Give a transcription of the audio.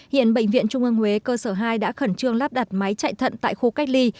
hiện bệnh viện trung ương huế cơ sở hai đã khẩn trương lắp đặt máy chạy thận tại khu cách ly